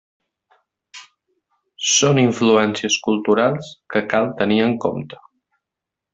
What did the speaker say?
Són influències culturals que cal tenir en compte.